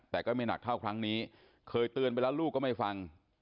แต่ก็ไม่หนักเท่าครั้งนี้เคยเตือนไปแล้วลูกก็ไม่ฟัง